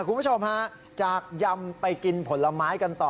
คุณผู้ชมฝากินผนละม้ายกันต่อ